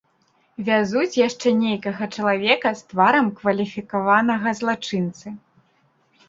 Вязуць яшчэ нейкага чалавека з тварам кваліфікаванага злачынцы.